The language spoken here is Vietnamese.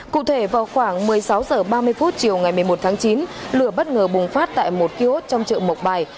cụ thể vào khoảng một mươi sáu h ba mươi chiều ngày một mươi một tháng chín lửa bất ngờ bùng phát tại một kiosk trong chợ mộc bài